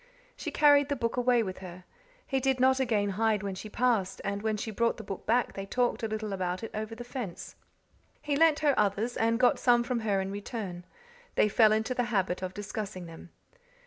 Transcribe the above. She carried the book away with her. He did not again hide when she passed, and when she brought the book back they talked a little about it over the fence. He lent her others, and got some from her in return; they fell into the habit of discussing them.